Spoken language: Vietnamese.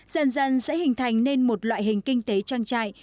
dần dần sẽ hình thành nên một loại hình kinh tế trang trại